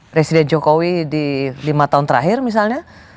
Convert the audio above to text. presiden jokowi di lima tahun terakhir misalnya